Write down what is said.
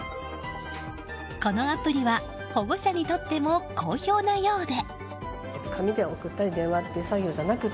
このアプリは保護者にとっても好評なようで。